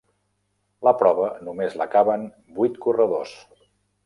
La prova només l'acaben vuit corredors.